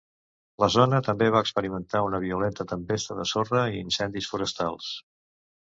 La zona també va experimentar una violenta tempesta de sorra i incendis forestals.